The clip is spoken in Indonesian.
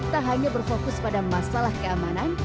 tak hanya berfokus pada masalah keamanan